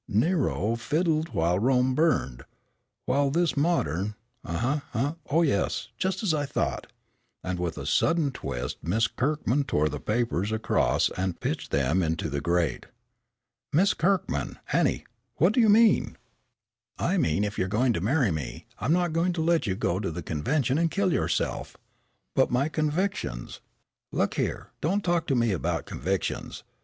Nero fiddled while Rome burned, while this modern' uh, huh, oh, yes, just as I thought," and with a sudden twist Miss Kirkman tore the papers across and pitched them into the grate. "Miss Kirkman Annie, what do you mean?" "I mean that if you're going to marry me, I'm not going to let you go to the convention and kill yourself." "But my convictions " "Look here, don't talk to me about convictions.